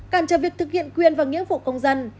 cảm trợ việc thực hiện quyền và nghĩa vụ công dân